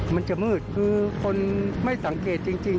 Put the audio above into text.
มันจะมืดคือคนไม่สังเกตจริง